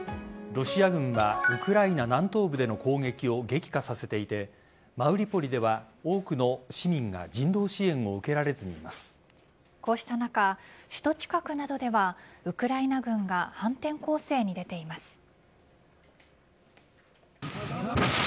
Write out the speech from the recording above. ロシア軍はウクライナ南東部での攻撃を激化させていてマリウポリでは多くの市民が人道支援をこうした中、首都近くなどではウクライナ軍が反転攻勢に出ています。